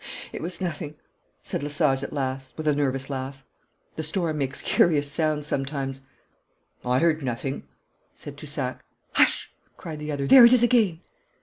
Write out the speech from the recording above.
'It was nothing,' said Lesage at last, with a nervous laugh. 'The storm makes curious sounds sometimes.' 'I heard nothing,' said Toussac. 'Hush!' cried the other. 'There it is again!'